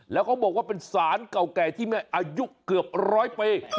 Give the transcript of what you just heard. แล้วเขาบอกว่าเป็นสารเก่าแก่ที่แม่อายุเกือบร้อยปี